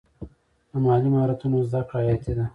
د مالي مهارتونو زده کړه حیاتي ده.